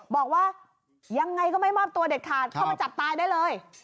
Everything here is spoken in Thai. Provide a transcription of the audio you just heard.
บอกว่ายังไงก็ไม่มอบตัวเด็ดขาดเข้ามาจับตายได้เลย